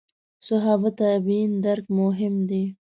صحابه تابعین درک مهم دي.